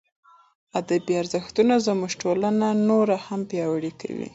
ادبي ارزښتونه زموږ ټولنه نوره هم پیاوړې کوي.